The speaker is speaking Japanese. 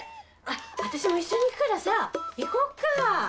私も一緒に行くからさ行こっか。